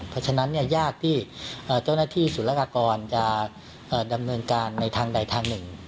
เพราะฉะนั้นยากที่เจ้าหน้าที่ศูนยากากรจะดำเนินการในทางใดทางหนึ่ง